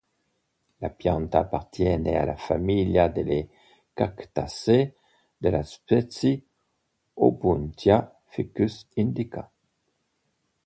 La pianta appartiene alla famiglia delle Cactacee, della specie "Opuntia ficus-indica".